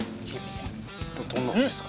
どんな味っすか。